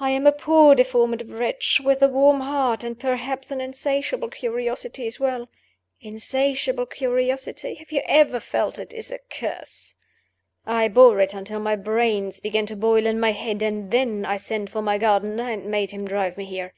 I am a poor deformed wretch, with a warm heart, and, perhaps, an insatiable curiosity as well. Insatiable curiosity (have you ever felt it?) is a curse. I bore it until my brains began to boil in my head; and then I sent for my gardener, and made him drive me here.